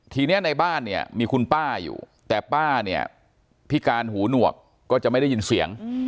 ทีนี้ในบ้านเนี่ยมีคุณป้าอยู่แต่ป้าเนี่ยพิการหูหนวกก็จะไม่ได้ยินเสียง